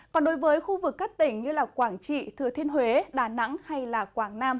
còn đối với khu vực các tỉnh như quảng trị thừa thiên huế đà nẵng hay quảng nam